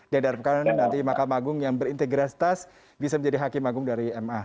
dan harap kalian nanti makam agung yang berintegritas bisa menjadi hakim agung dari ma